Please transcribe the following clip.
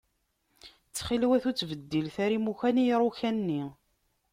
Ttxil-wat ur ttbeddilet ara imukan i iruka-nni.